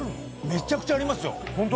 めっちゃくちゃあります。